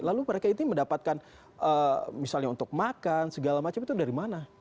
lalu mereka itu mendapatkan misalnya untuk makan segala macam itu dari mana